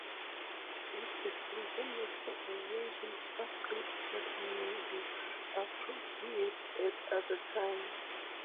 This is intended for a version upgrade, but may be appropriate at other times.